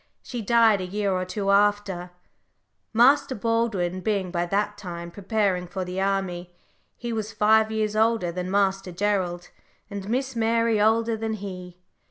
She died a year or two after, Master Baldwin being by that time preparing for the army, for he was five years older than Master Gerald, and Miss Mary older than he.